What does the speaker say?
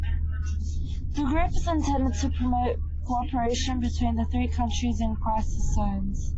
The group is intended to promote co-operation between the three countries in crisis zones.